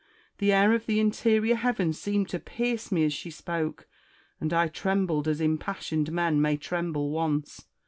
The air of the interior heavens seemed to pierce me as she spoke \ and I trembled as impassioned men may tremble once.